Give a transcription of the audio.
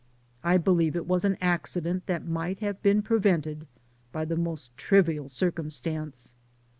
I believe it was an accident that might have been prevented by the most trivial circumstance.